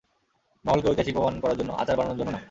মহলকে ঐতিহাসিক প্রমাণ করার জন্য, আচার বানানোর জন্য না।